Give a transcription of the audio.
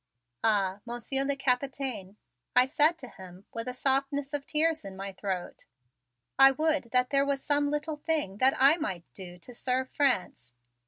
"Ah, Monsieur le Capitaine," I said to him with a softness of tears in my throat, "I would that there was some little thing that I might do to serve France.